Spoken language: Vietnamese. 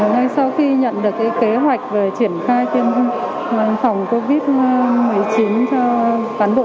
ngay sau khi nhận được kế hoạch về triển khai tiêm phòng covid một mươi chín cho bản bộ chiến sĩ công an hà nội